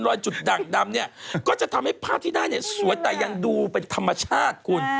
จุดดั่งดำเนี่ยก็จะทำให้ภาพที่ได้เนี่ยสวยแต่ยังดูเป็นธรรมชาติคุณ